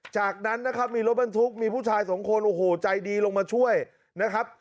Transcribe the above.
จากนั้นนะครับมีรถบรรทุกมีผู้ชายสองคนโอ้โหใจดีลงมาช่วยนะครับ